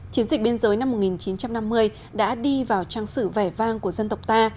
chiến dịch biên giới năm một nghìn chín trăm năm mươi đã đi vào trang sử vẻ vang của dân tộc ta